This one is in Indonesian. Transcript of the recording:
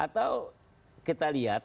atau kita lihat